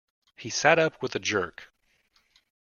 He sat up with a jerk.